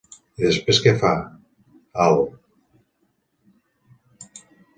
I després què fa, al??